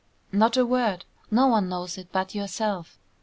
"Not a word. No one knows it but yourself.